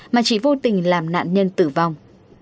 mà chỉ vô tình làm nạn nhân tử vong